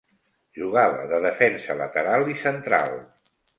Jugava de defensa lateral i central.